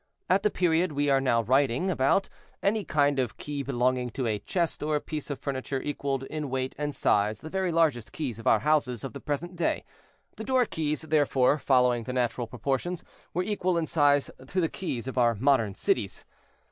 At the period we are now writing about, any kind of key belonging to a chest or piece of furniture equaled in weight and size the very largest keys of our houses of the present day; the door keys, therefore, following the natural proportions, were equal in size to the keys of our modern cities.